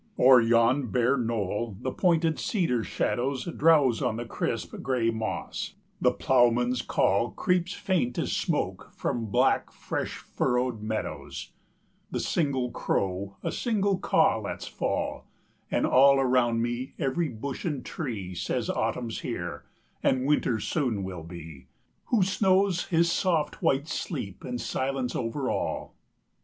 O'er yon bare knoll the pointed cedar shadows Drowse on the crisp, gray moss; the ploughman's call Creeps faint as smoke from black, fresh furrowed meadows; 45 The single crow a single caw lets fall; And all around me every bush and tree Says Autumn's here, and Winter soon will be, Who snows his soft, white sleep and silence over all.